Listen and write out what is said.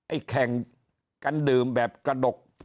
แข่งกันดื่มแบบกระดก